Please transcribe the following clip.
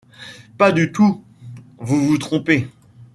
Pas du tout, vous vous trompez…